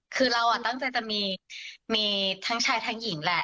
คือเรายอดตั้งใจจะมีทั้งชายอยู่ทั้งหญิงเลย